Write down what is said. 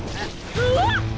うわっ！